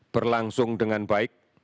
berlangsung dengan baik